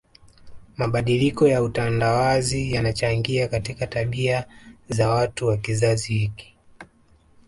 Mabadiliko ya utandawazi yanachangia katika tabia za watu wa kizazi hiki